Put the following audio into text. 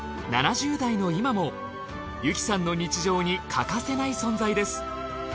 ７０代の今も由紀さんの日常に欠かせない存在です。